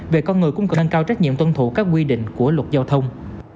về con người cũng cần nâng cao trách nhiệm tuân thủ các quy định của luật giao thông